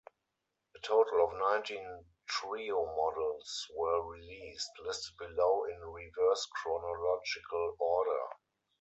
A total of nineteen Treo models were released, listed below in reverse chronological order.